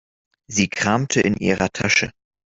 Sie kramte in ihrer Tasche.